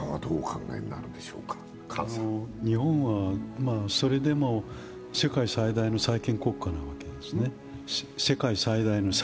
日本はそれでも世界最大の債権国家なわけですね。